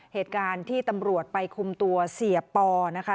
เหตุการณ์ที่ตำรวจไปคุมตัวเสียปอนะคะ